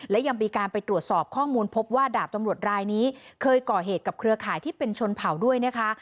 และยังมีการไปตรวจสอบข้อมูลพบว่าดาบตำรวจรายนี้เคยก่อเหตุกับเครือข่ายที่เป็นชนเผาด้วยนะคะ